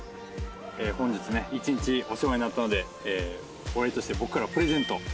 本日１日お世話になったのでお礼として僕からのプレゼント。